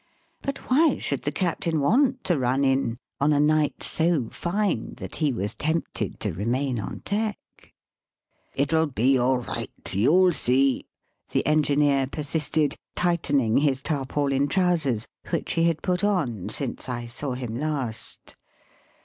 But why should the captain want to run in on a night so fine that he was tempted to remain on deck ?" It'll be all right, you'll see," the engineer persisted, tightening his tarpaulin trousers, which he had put on since I saw him last.